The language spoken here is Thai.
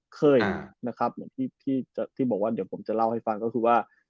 เคยนะครับเหมือนที่บอกว่าเดี๋ยวผมจะเล่าให้ฟังก็คือว่า